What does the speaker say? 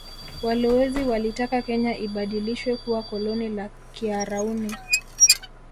Walowezi walitaka Kenya ibadilishwe kuwa koloni la kiarauni